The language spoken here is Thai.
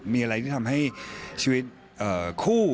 มีอะไรที่ทำให้ชีวิตคู่